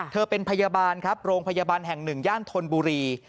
เธอเป็นพยาบาลครับโรงพยาบาลแห่งหนึ่งย่านธนบุรี